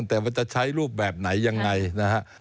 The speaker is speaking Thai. แต่มันจะใช้รูปแบบไหนยังไงนะฮะ